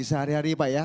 sehari hari pak ya